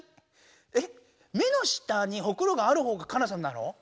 えっ目の下にホクロがあるほうがカナさんなの？